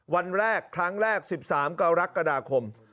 วันแรกครั้งแรก๑๓กรกฎาคม